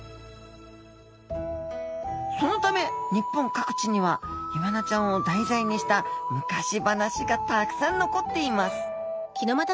そのため日本各地にはイワナちゃんを題材にした昔話がたくさん残っています